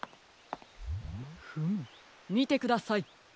フムみてください。